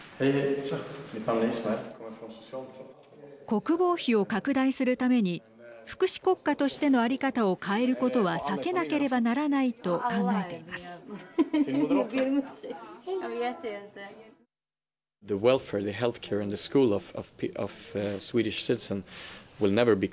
国防費を拡大するために福祉国家としての在り方を変えることは避けなければならないと考えています。